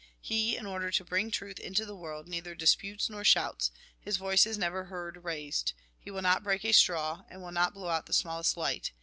He, in order to bring truth into the world, neither disputes nor shouts ; his voice is never heard raised. He will not break a straw, and will not blow out the smallest light.